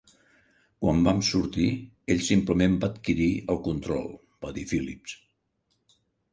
"Quan vam sortir, ell simplement va adquirir el control", va dir Phillips.